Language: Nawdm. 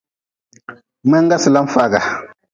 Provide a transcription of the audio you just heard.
Mngenga sila n-faaga.